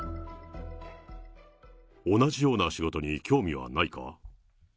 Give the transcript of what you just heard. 同じような仕事に興味はないか？